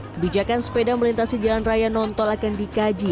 kebijakan sepeda melintasi jalan raya nontol akan dikaji